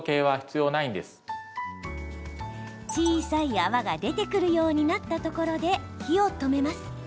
小さい泡が出てくるようになったところで火を止めます。